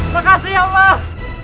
makasih ya allah